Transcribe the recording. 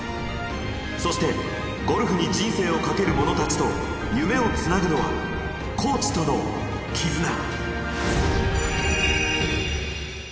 そしてゴルフに人生をかける者たちと夢をつなぐのはコーチとのキズナ。